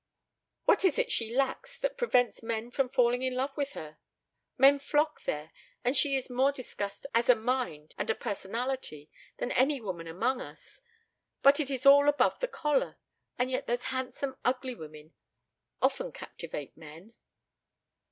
What is it she lacks that prevents men from falling in love with her? Men flock there, and she is more discussed as a mind and a personality than any woman among us; but it is all above the collar. And yet those handsome ugly women often captivate men."